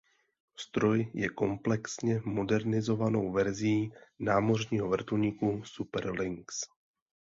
Stroj je komplexně modernizovanou verzí námořního vrtulníku Super Lynx.